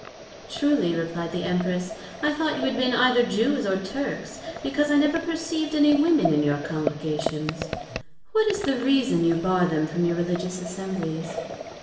Truly, replied the Empress, I thought you had been either Jews, or Turks, because I never perceived any Women in your Congregations: But what is the reason, you bar them from your religious Assemblies?